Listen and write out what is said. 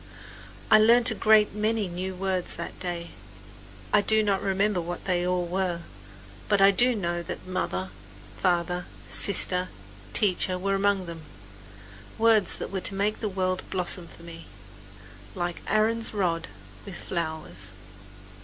I learned a great many new words that day. I do not remember what they all were; but I do know that mother, father, sister, teacher were among them words that were to make the world blossom for me, "like Aaron's rod, with flowers."